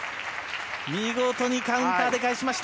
見事にカウンターで返しました！